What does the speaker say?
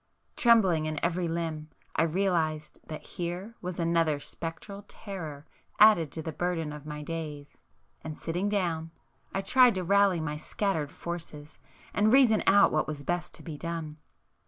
Trembling in every limb I realized that here was another spectral terror added to the burden of my days; and sitting down, I tried to rally my scattered forces and reason out what was best to be done.